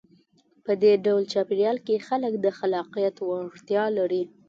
په دې ډول چاپېریال کې خلک د خلاقیت وړتیا لري.